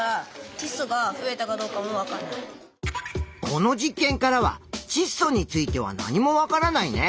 この実験からはちっ素については何も分からないね。